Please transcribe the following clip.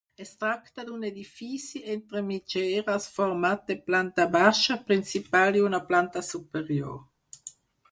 Es tracta d'un edifici entre mitgeres format de planta baixa, principal i una planta superior.